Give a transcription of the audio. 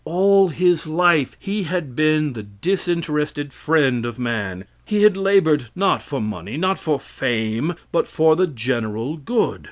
All his life he had been the disinterested friend of man. He had labored not for money, not for fame, but for the general good.